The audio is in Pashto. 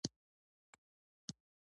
دوی ټول لوند، خېشت او وېرېدلي و.